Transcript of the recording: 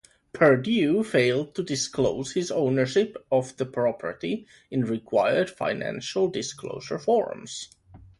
Perdue failed to disclose his ownership of the property in required financial disclosure forms.